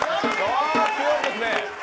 強いですね。